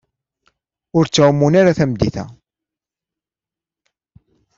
Ur ttɛumunt ara tameddit-a.